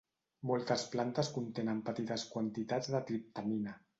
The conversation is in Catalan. Moltes plantes contenen petites quantitats de triptamina.